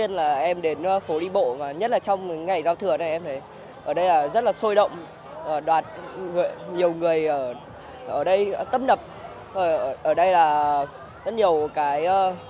em chưa từng thấy như bóng galaxy em chưa thấy ở đây em rất là vui